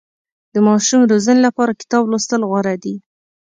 د ماشوم روزنې لپاره کتاب لوستل غوره دي.